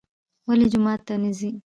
ولې جومات ته نه ځي.